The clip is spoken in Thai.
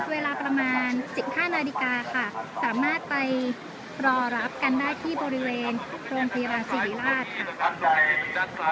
เวลาประมาณ๑๕นาฬิกาค่ะสามารถไปรอรับกันได้ที่บริเวณโรงพยาบาลศิริราชค่ะ